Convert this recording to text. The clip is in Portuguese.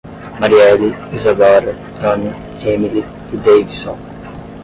Mariele, Izadora, Hanna, Emile e Deivison